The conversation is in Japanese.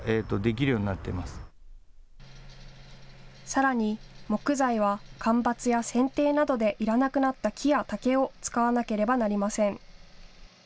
さらに木材は間伐やせんていなどで、いらなくなった木や竹を使わなければなりません。